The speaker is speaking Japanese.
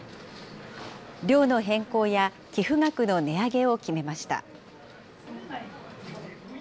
量の変更や寄付額の値上げを決めました。